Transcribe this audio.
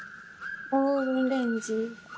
オーブンレンジ。